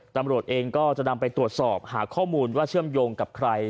ตำรวจเองก็จะนำไปตรวจสอบหาข้อมูลว่าเชื่อมโยงกับใคร